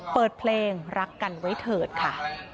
เปิดเพลงรักกันไว้เถิดค่ะ